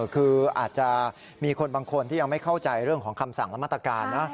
คืออาจจะมีคนบางคนที่ยังไม่เข้าใจเรื่องของคำสั่งและมาตรการนะ